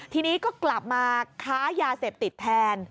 ทีนี้ก็กลับมาค้ายาเสพติดแทน